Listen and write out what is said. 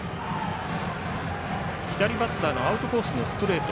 左バッターのアウトコースのストレート。